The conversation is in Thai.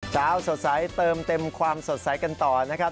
เช้าสดใสเติมเต็มความสดใสกันต่อนะครับ